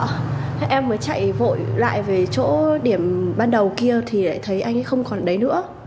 thế em mới chạy vội lại về chỗ điểm ban đầu kia thì lại thấy anh ấy không còn đấy nữa